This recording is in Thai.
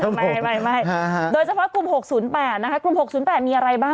ไม่โดยเฉพาะกลุ่ม๖๐๘มีอะไรบ้าง